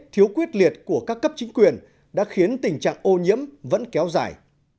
lịch liệt của các cấp chính quyền đã khiến tình trạng ô nhiễm vẫn kéo dài